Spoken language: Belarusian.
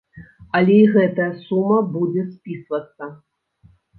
Але і гэтая сума будзе спісвацца.